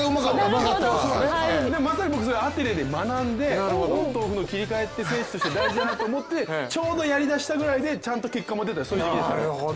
それを僕はアテネで学んでオンとオフの切り替えって選手として大事だなと思ってちょうどやりだしたぐらいでちゃんと結果も出たそういう時期でしたね。